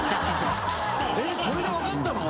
これでわかったの？